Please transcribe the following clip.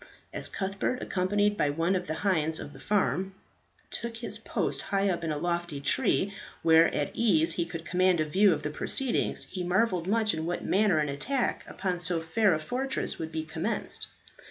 As Cuthbert, accompanied by one of the hinds of the farm, took his post high up in a lofty tree, where at his ease he could command a view of the proceedings, he marvelled much in what manner an attack upon so fair a fortress would be commenced.